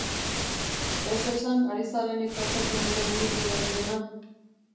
Ez esan ari zarenik pentsatzen nire burutik dabilena?